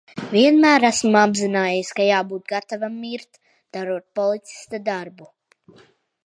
Vienmēr esmu apzinājies, ka jābūt gatavam mirt, darot policista darbu.